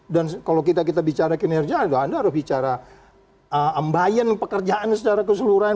dan kalau kita bicara kinerja anda harus bicara ambayan pekerjaan secara keseluruhan